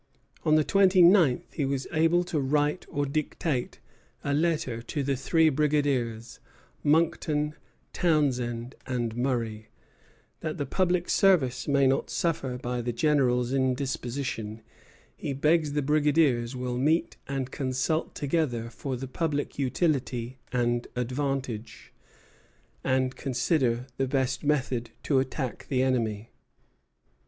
On the twenty ninth he was able to write or dictate a letter to the three brigadiers, Monckton, Townshend, and Murray: "That the public service may not suffer by the General's indisposition, he begs the brigadiers will meet and consult together for the public utility and advantage, and consider of the best method to attack the enemy."